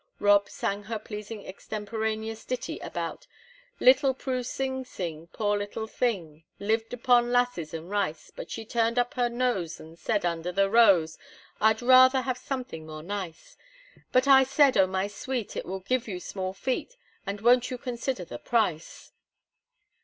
Rob sang her a pleasing extemporaneous ditty about _"Little Prue sing, poor little thing! Lived upon 'lasses and rice, But she turned up her nose and said: 'Under the rose, I'd rather have something more nice.' But I said: 'O my Sweet, it will give you small feet, And won't you consider the price?'"